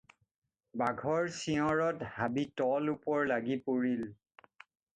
বাঘৰ চিঞৰত হাবি তল-ওপৰ লাগি পৰিল।